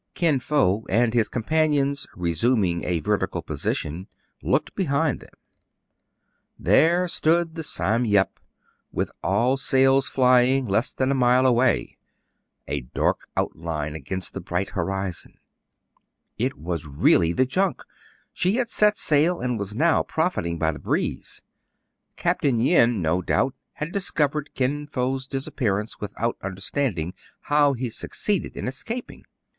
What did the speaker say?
Kin Fo and his companions, resuming a verti cal position, looked behind them. 226 TRIBULATIONS OF A CHINAMAN', There stood the Sam Yep, with all sails fly ing, less than a mile away, — a dark outline against the bright horizon. It was really the junk ! She had set sail, and was now profiting by the breeze. Capt. Yin, no doubt, had discovered Kin Fo*s disappearance without understanding how he succeeded in es caping.